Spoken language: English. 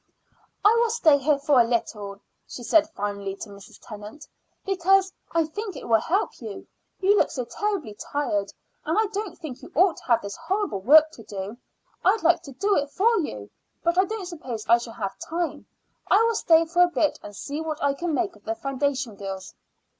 "I will stay here for a little," she said finally to Mrs. Tennant, "because I think it will help you. You look so terribly tired; and I don't think you ought to have this horrible work to do. I'd like to do it for you, but I don't suppose I shall have time. I will stay for a bit and see what I can make of the foundation girls."